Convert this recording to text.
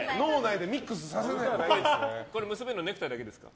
結べるのネクタイだけですか？